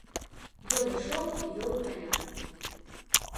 Ён ішоў і вёў каня.